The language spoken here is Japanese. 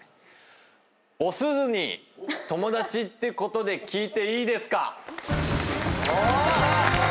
おすずに友達ってことで聞いていいですか？